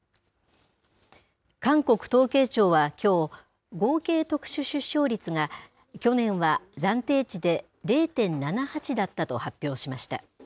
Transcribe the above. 韓国統計庁はきょう、合計特殊出生率が、去年は暫定値で０．７８だったと発表しました。